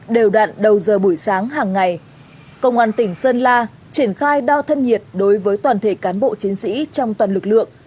đều đạn đầu giờ buổi sáng hàng ngày công an tỉnh sơn la triển khai đo thân nhiệt đối với toàn thể cán bộ chiến sĩ trong toàn lực lượng